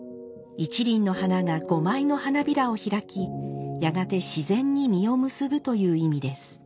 一輪の花が五枚の花びらを開きやがて自然に実を結ぶという意味です。